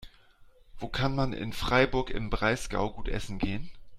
Wo kann man in Freiburg im Breisgau gut essen gehen?